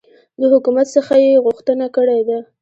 د حکومت څخه یي غوښتنه کړې ده